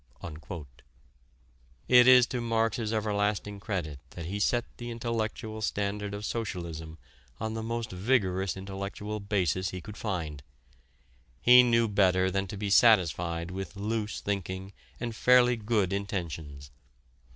'" It is to Marx's everlasting credit that he set the intellectual standard of socialism on the most vigorous intellectual basis he could find. He knew better than to be satisfied with loose thinking and fairly good intentions.